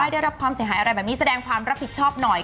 ได้รับความเสียหายอะไรแบบนี้แสดงความรับผิดชอบหน่อย